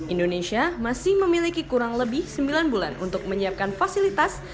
indonesia masih memiliki kurang lebih sembilan bulan untuk menyiapkan fasilitas